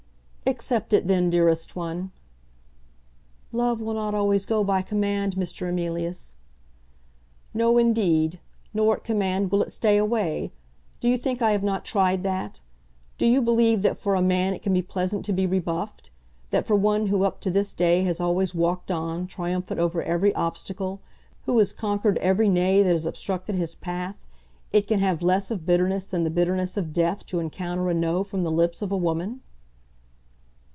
"Accept it then, dearest one." "Love will not always go by command, Mr. Emilius." "No indeed; nor at command will it stay away. Do you think I have not tried that? Do you believe that for a man it can be pleasant to be rebuffed; that for one who up to this day has always walked on, triumphant over every obstacle, who has conquered every nay that has obstructed his path, it can have less of bitterness than the bitterness of death to encounter a no from the lips of a woman?"